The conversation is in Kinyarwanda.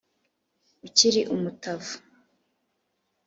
ukiri umutavu